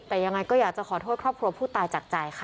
แต่ยังไงก็อยากจะขอโทษครอบครัวผู้ตายจากใจค่ะ